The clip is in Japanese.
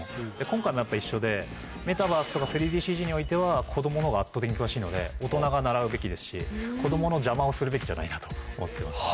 今回もやっぱ一緒でメタバースとか３ＤＣＧにおいては子供のほうが圧倒的に詳しいので大人が習うべきですし子供の邪魔をするべきじゃないなと思ってます。